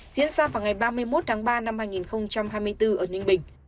diễn ra vào ngày ba mươi một tháng ba năm hai nghìn hai mươi bốn ở ninh bình